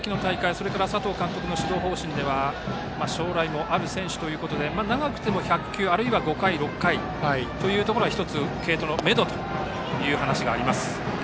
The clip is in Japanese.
それから佐藤監督の指導方針で将来もある選手ということで長くても１００球あるいは５回、６回というところが１つ継投のめどという話があります。